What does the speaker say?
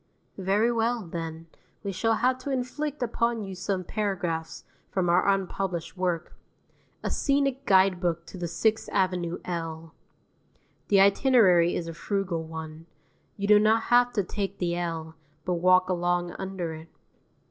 Very well, then, we shall have to inflict upon you some paragraphs from our unpublished work: "A Scenic Guidebook to the Sixth Avenue L." The itinerary is a frugal one: you do not have to take the L, but walk along under it.